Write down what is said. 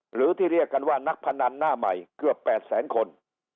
หรือที่เรียกกันว่านักพนันหน้าใหม่เกือบ๘แสนคน